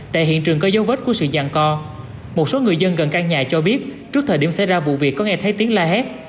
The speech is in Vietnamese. tại hiện trường có dấu vết của sự dàn co một số người dân gần căn nhà cho biết trước thời điểm xảy ra vụ việc có nghe thấy tiếng la hét